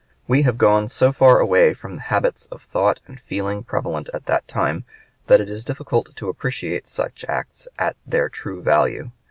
We have gone so far away from the habits of thought and feeling prevalent at that time that it is difficult to appreciate such acts at their true value.